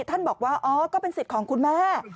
ท่านบอกว่าอ๋อก็เป็นสิทธิ์ของคุณแม่